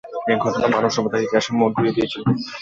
এই ঘটনা মানবসভ্যতার ইতিহাসের মোড় ঘুরিয়ে দিয়েছিল।